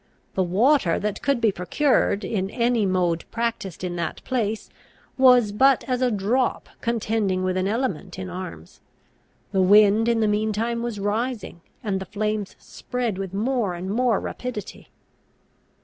The water that could be procured, in any mode practised in that place, was but as a drop contending with an element in arms. The wind in the mean time was rising, and the flames spread with more and more rapidity.